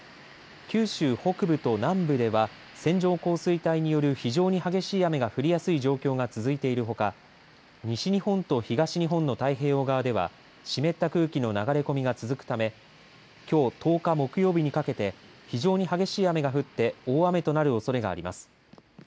九州北部と南部では線状降水帯による非常に激しい雨が降りやすい状況が続いているほか西日本と東日本の太平洋側では湿った空気の流れ込みが続くためきょう１０日木曜日にかけて非常に激しい雨が降って大雨となるおそれがあります。